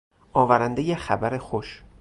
آورندهی خبر خوش